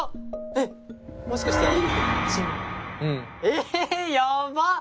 えヤバっ！